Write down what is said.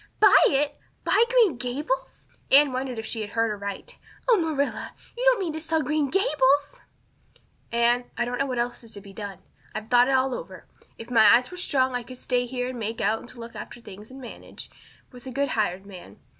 "Buy it! Buy Green Gables?" Anne wondered if she had heard aright. "Oh, Marilla, you don't mean to sell Green Gables!" "Anne, I don't know what else is to be done. I've thought it all over. If my eyes were strong I could stay here and make out to look after things and manage, with a good hired man.